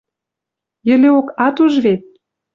Йӹлеок ат уж вет...